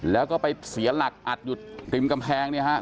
แล้วก็ไปเสียหลักอัดหยุดริมกำแพงนี่ครับ